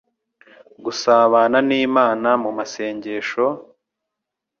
Gusabana n'Imana mu masengesho,